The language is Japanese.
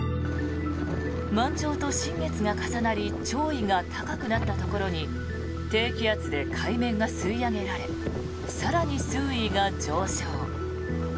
満潮と新月が重なり潮位が高くなったところに低気圧で海面が吸い上げられ更に水位が上昇。